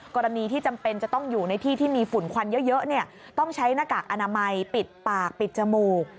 กรณีที่จำเป็นจะต้องอยู่ในที่ที่มีฝุ่นควันเยอะต้องใช้หน้ากากอนามัยปิดปากปิดจมูก